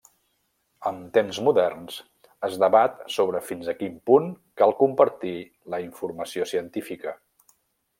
En temps moderns, es debat sobre fins a quin punt cal compartir la informació científica.